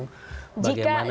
bagaimana koalisi ini kemudian